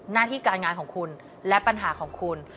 หน้าที่การงานของคุณและปัญหาของคุณ